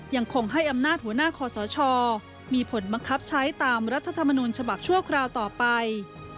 ยังคงให้อำนาจหัวหน้าคอสชมีผลบังคับใช้ตามรัฐธรรมนูญฉบับชั่วคราวต่อไป